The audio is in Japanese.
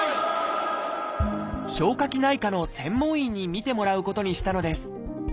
消化器内科の専門医に診てもらうことにしたのです。